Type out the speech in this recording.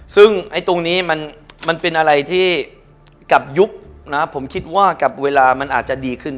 ซึ่งตรงนี้มันเป็นอะไรที่กับยุคนะผมคิดว่ากับเวลามันอาจจะดีขึ้น